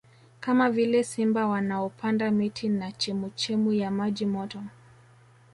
Kama vile simba wanaopanda miti na chemuchemu ya maji moto